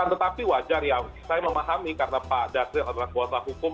tetapi wajar ya saya memahami karena pak dasril adalah kuasa hukum